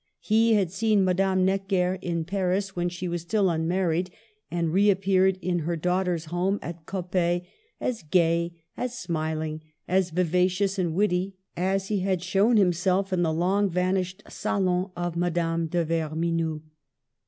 He had seen Madame Necker in Paris when she was still unmarried, and reappeared in her daughter's home at Coppet as gay, as smiling, as vivacious and witty as he had shown himself in the long vanished salon of Madame de Verme noux.